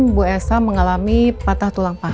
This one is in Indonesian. untuk pengkontrol bu elsa telah mengalami patah tulang paha